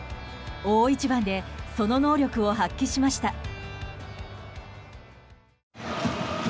大一番でその能力を発揮しました。